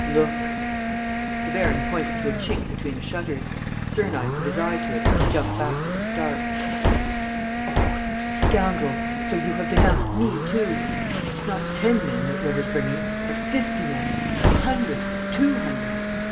"Look!" The baron pointed to a chink between the shutters. Sernine put his eye to it and jumped back with a start: "Oh, you scoundrel, so you have denounced me, too! It's not ten men that Weber's bringing, but fifty men, a hundred, two hundred.